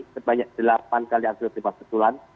sebanyak delapan kali artisipas kejulan